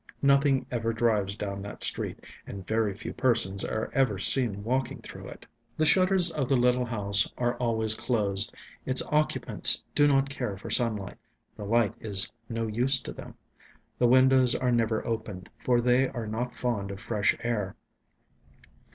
Nothing ever drives down that street, and very few persons are ever seen walking through it. The shutters of the little house are always closed; its occupants do not care for sunlight the light is no use to them. The windows are never opened, for they are not fond of fresh air.